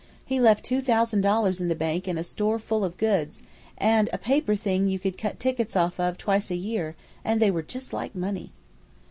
He left two thousand dollars in the bank and a store full of goods, and a paper thing you could cut tickets off of twice a year, and they were just like money."